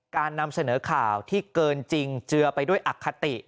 นำเสนอข่าวที่เกินจริงเจือไปด้วยอคติ